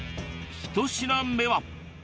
１品目は。